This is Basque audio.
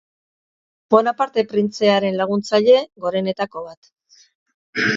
Bonaparte printzearen laguntzaile gorenetako bat.